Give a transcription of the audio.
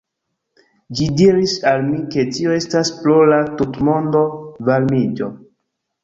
Ĝi diris al mi ke tio estas pro la tutmondo varmiĝo